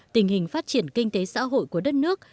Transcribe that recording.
tình hình phát triển kinh tế xã hội của đất nước